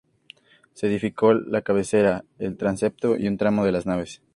Se edificó la cabecera, el transepto y un tramo de las naves.